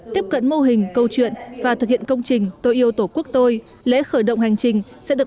tiếp cận mô hình câu chuyện và thực hiện công trình tôi yêu tổ quốc tôi lễ khởi động hành trình sẽ được